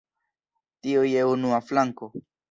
Tio je unua flanko.